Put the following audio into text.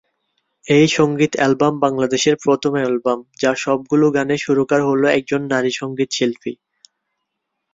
এই সঙ্গীত এলবাম বাংলাদেশের প্রথম এলবাম যার সবগুলো গানের সুরকার হল একজন নারী সঙ্গীত শিল্পী।